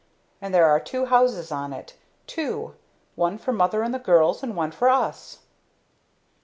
And there are two houses on it two. One for mother and the girls, and one for us!"